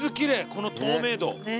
この透明度。